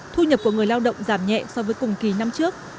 thu nhập của người lao động giảm nhẹ so với cùng kỳ năm trước